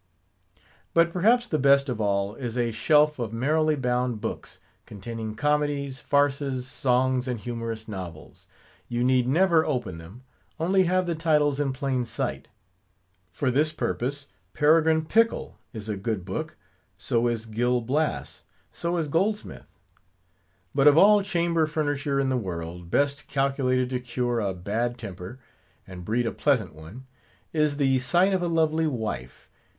But perhaps the best of all is a shelf of merrily bound books, containing comedies, farces, songs, and humorous novels. You need never open them; only have the titles in plain sight. For this purpose, Peregrine Pickle is a good book; so is Gil Blas; so is Goldsmith. But of all chamber furniture in the world, best calculated to cure a had temper, and breed a pleasant one, is the sight of a lovely wife.